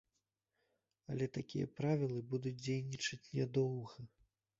Але такія правілы будуць дзейнічаць нядоўга.